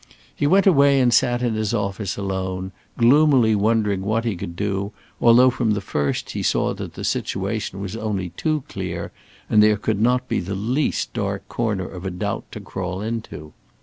He went away and sat in his office alone, gloomily wondering what he could do, although from the first he saw that the situation was only too clear, and there could not be the least dark corner of a doubt to crawl into.